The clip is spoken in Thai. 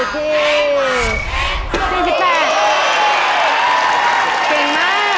แพงกว่าแพงกว่าแพงกว่า